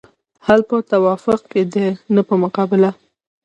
حل په توافق کې دی نه په مقابله.